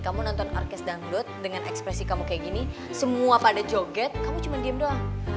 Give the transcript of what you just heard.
kamu nonton arkes dangdut dengan ekspresi kamu kayak gini semua pada joget kamu cuma diem doang